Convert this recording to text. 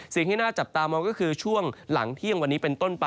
สิ่งที่น่าจับตามองก็คือช่วงหลังเที่ยงวันนี้เป็นต้นไป